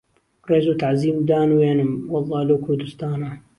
ڕێز و تەعزیم دانوێنم وەڵڵا لەو کوردوستانە